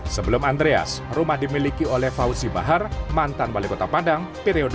sebelum andreas rumah dimiliki oleh fauzi bahar mantan wali kota padang periode dua ribu empat dua ribu empat belas